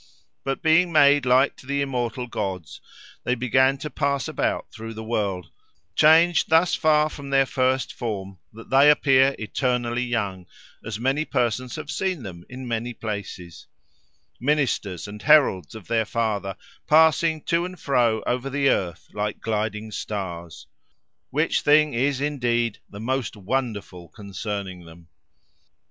But being made like to the immortal gods, they began to pass about through the world, changed thus far from their first form that they appear eternally young, as many persons have seen them in many places—ministers and heralds of their father, passing to and fro over the earth, like gliding stars. Which thing is, indeed, the most wonderful concerning them!"